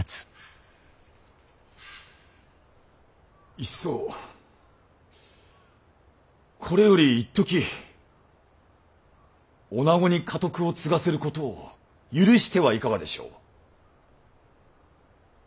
いっそこれよりいっとき女子に家督を継がせることを許してはいかがでしょう。